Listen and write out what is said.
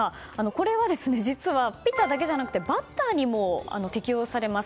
これは、実はピッチャーだけじゃなくてバッターにも適用されます。